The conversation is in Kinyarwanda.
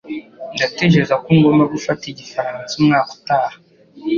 Ndatekereza ko ngomba gufata igifaransa umwaka utaha.